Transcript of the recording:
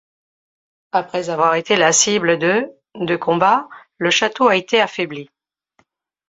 Après avoir été la cible de de combat, le château a été affaibli.